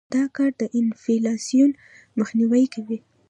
دا کار د انفلاسیون مخنیوى کوي.